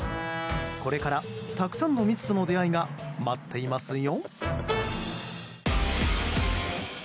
これからたくさんの未知との出会いが待っていますよ。